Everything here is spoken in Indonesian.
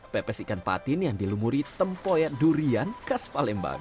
pepes ikan patin yang dilumuri tempoyan durian khas palembang